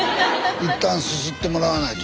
一旦すすってもらわないと。